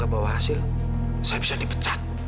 bawa hasil saya bisa dipecat